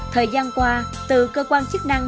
thời gian qua từ cơ quan chức năng